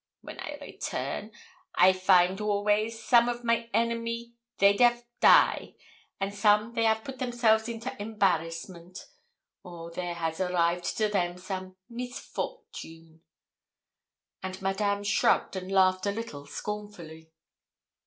Wen I return, I find always some of my enemy they 'av die, and some they have put themselves into embarrassment, or there has arrived to them some misfortune;' and Madame shrugged and laughed a little scornfully.